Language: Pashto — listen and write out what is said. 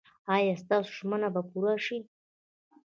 ایا ستاسو ژمنه به پوره شي؟